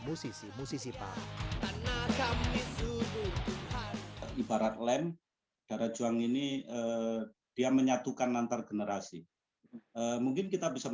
musisi musisi pan ibarat lem darah juang ini dia menyatukan antar generasi mungkin kita bisa